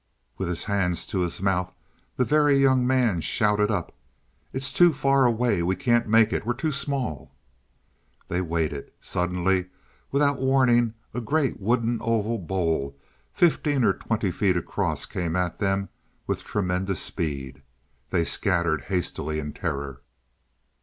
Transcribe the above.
With his hands to his mouth, the Very Young Man shouted up: "It's too far away. We can't make it we're too small." They waited. Suddenly, without warning, a great wooden oval bowl fifteen or twenty feet across came at them with tremendous speed. They scattered hastily in terror.